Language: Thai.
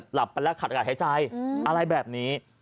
หลับไปแล้วขัดอากาศหายใจอะไรแบบนี้